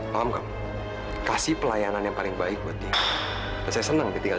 sampai jumpa di video selanjutnya